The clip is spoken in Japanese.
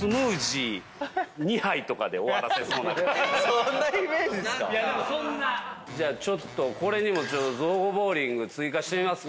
そんなイメージっすか⁉じゃあちょっとこれにも造語ボウリング追加してみますか。